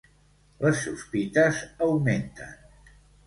Les sospites augmenten.